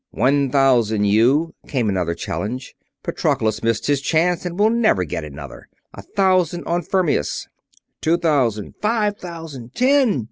"One thousand, you!" came another challenge. "Patroclus missed his chance and will never get another a thousand on Fermius!" "Two thousand!" "Five thousand!" "Ten!"